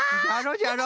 じゃろ？